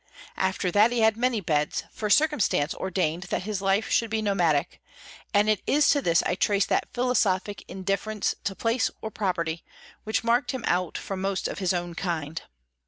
After that he had many beds, for circumstance ordained that his life should be nomadic, and it is to this I trace that philosophic indifference to place or property, which marked him out from most of his own kind.